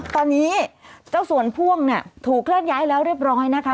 ตอนนี้เจ้าส่วนพ่วงถูกเลิกย้ายแล้วเรียบร้อยนะคะ